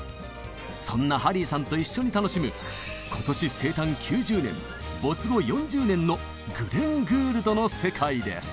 そんなハリーさんと一緒に楽しむ今年生誕９０年没後４０年のグレン・グールドの世界です！